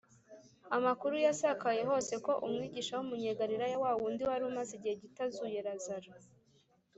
amakuru yasakaye hose ko umwigisha w’umunyegalileya, wa wundi wari umaze igihe gito azuye lazaro,